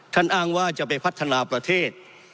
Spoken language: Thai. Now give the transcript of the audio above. อ้างว่าจะไปพัฒนาประเทศ